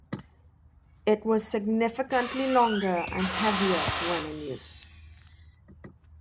It was significantly longer and heavier when in use.